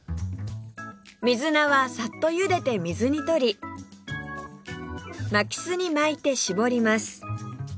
水菜はさっとゆでて水にとり巻きすに巻いて絞ります